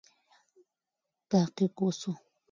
تحقیق وسو.